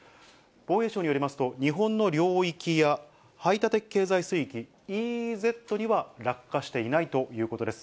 防衛省によりますと、日本の領域や排他的経済水域・ＥＥＺには落下していないということです。